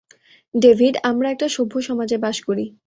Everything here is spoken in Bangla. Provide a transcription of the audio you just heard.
ডেভিড, আমরা একটা সভ্য সমাজে বাস করি।